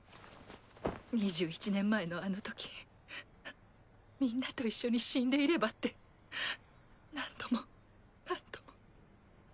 ２１年前のあのときみんなと一緒に死んでいればって何度も何度も。